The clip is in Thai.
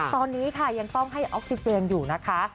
ตอนนี้ค่ะยังต้องให้ออกซิเจนอยู่นะคะ